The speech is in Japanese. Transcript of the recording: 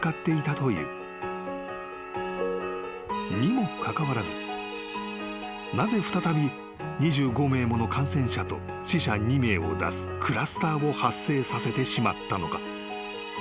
［にもかかわらずなぜ再び２５名もの感染者と死者２名を出すクラスターを発生させてしまったのか？］